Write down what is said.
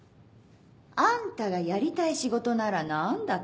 あんたがやりたい仕事なら何だって。